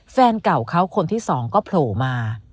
แฟนเก่าเขาคนที่สองก็โผล่มา